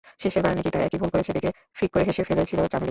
শেষের বার নিকিতা একই ভুল করেছে দেখে ফিক্ করে হেসে ফেলেছিল চামেলী।